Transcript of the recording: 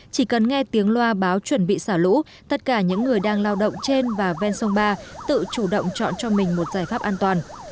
chỉ cần nghe tiếng loa báo chuẩn bị xả lũ tất cả những người đang lao động trên và ven sông ba tự chủ động chọn cho mình một giải pháp an toàn